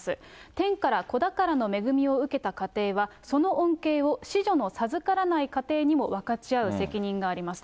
天から子宝の恵みを受けた家庭は、その恩恵を子女の授からない家庭にも分かち合う責任がありますと。